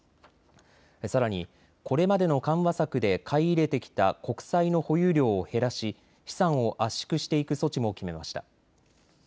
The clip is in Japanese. さらに、これまでの緩和策で買い入れてきた国債の保有量を減らし資産を圧縮していく措置も決めました。